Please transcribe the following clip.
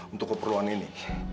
untuk keperluan ini